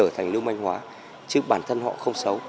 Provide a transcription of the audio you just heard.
ở thành lưu manh hóa chứ bản thân họ không xấu